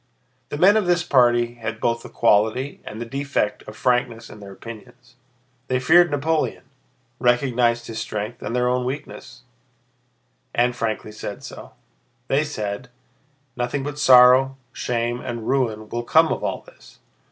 The men of this party had both the quality and the defect of frankness in their opinions. They feared Napoleon, recognized his strength and their own weakness, and frankly said so. They said: "Nothing but sorrow, shame, and ruin will come of all this!